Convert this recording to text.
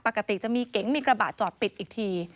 ปกติจะมีเก๋งมีกระบะจอดปิดอีกที